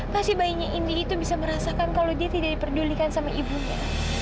pasti bayinya indi itu bisa merasakan kalau dia tidak diperdulikan sama ibunya